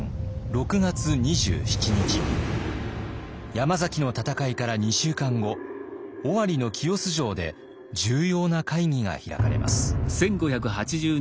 山崎の戦いから２週間後尾張の清須城で重要な会議が開かれます。